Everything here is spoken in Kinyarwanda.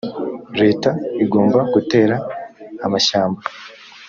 leta igomba gutera amashyamba